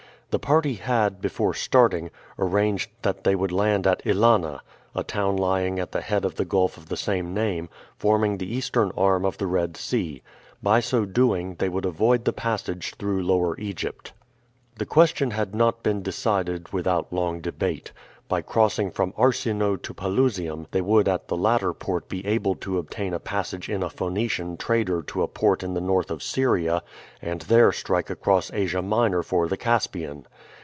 The party had, before starting, arranged that they would land at Ælana, a town lying at the head of the gulf of the same name, forming the eastern arm of the Red Sea.[E] By so doing they would avoid the passage through Lower Egypt. [E] Now the Gulf of Akabah. The question had not been decided without long debate. By crossing from Arsinoe[F] to Pelusium they would at the latter port be able to obtain a passage in a Phoenician trader to a port in the north of Syria, and there strike across Asia Minor for the Caspian.